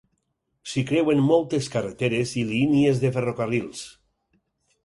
S'hi creuen moltes carreteres i línies de ferrocarrils.